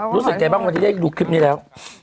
รู้สึกใกล้บ้างว่าที่ได้ดูคลิปนี้แล้ว